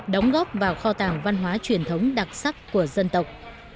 đóng góp vào kho tàng văn hóa truyền thống đặc sắc của dân tộc